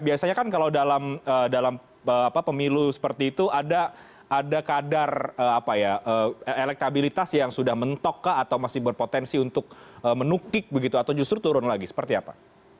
biasanya kan kalau dalam pemilu seperti itu ada kadar elektabilitas yang sudah mentok kah atau masih berpotensi untuk menukik begitu atau justru turun lagi seperti apa